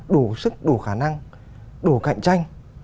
đủ sức đủ khả năng đủ cạnh tranh